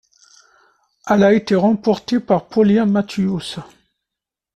Elle a été remportée par Paulien Mathues.